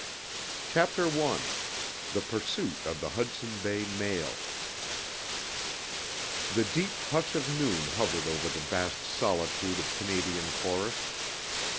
CHAPTER I THE PURSUIT OF THE HUDSON BAY MAIL The deep hush of noon hovered over the vast solitude of Canadian forest.